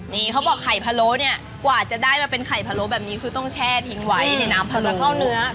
นี่เขาบอกไข่พะโล้เนี่ยกว่าจะได้มาเป็นไข่พะโล้แบบนี้คือต้องแช่ทิ้งไว้ในน้ำผัดจะเข้าเนื้อ